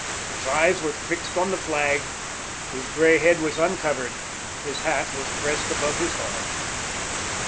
His eyes were fixed on the flag, his gray head was uncovered, his hat was pressed above his heart.